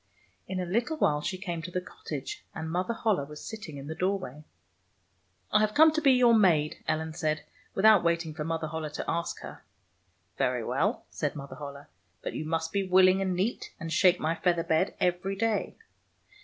In a little while she came to the cottage, and Mother HoUe was sitting in the door way. "I have come to be your maid," Ellen said, without waiting for Mother HoUe to ask her. " Very well," said Mother HoUe, '' but you must be wiUing and neat, and shake my feather bed ever}^ day."